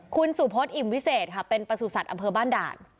คุณสุพศอิ่มวิเศษค่ะเป็นประสุทธิ์อำเภอบ้านด่าน